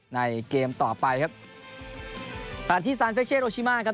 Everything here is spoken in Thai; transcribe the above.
ในเกมต่อไปครับอาทิสันเฟคเชศโอชิมาครับ